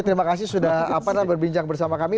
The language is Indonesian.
terima kasih sudah berbincang bersama kami